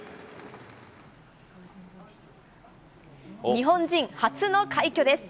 日本人初の快挙です。